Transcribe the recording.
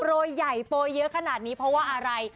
ใหญ่โปรยเยอะขนาดนี้เพราะว่าอะไร